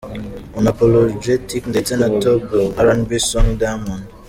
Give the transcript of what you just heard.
Unapologetic ndetse na Top RnB Song Diamond.